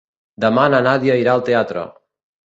Demà na Nàdia irà al teatre.